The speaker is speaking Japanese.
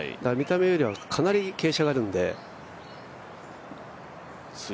見た目よりはかなり傾斜があるんで。